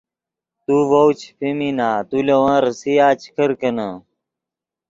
تو ڤؤ چے پیمینا تو لے ون ریسیا چے کرکینے